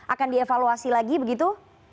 akan dievaluasi lagi begitu